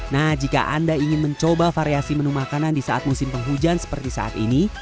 nah jika anda ingin mencoba variasi menu makanan di saat musim penghujan seperti saat ini